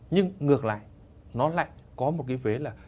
nhưng ngược lại nó lại có một cái phế là